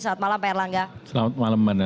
selamat malam pak erlangga selamat malam